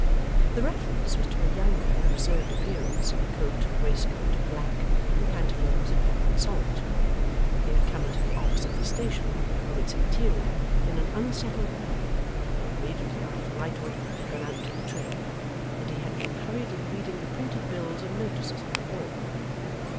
The reference was to a young man of reserved appearance, in a coat and waistcoat of black, and pantaloons of pepper and salt. He had come into the office of the station, from its interior, in an unsettled way, immediately after Lightwood had gone out to the train; and he had been hurriedly reading the printed bills and notices on the wall.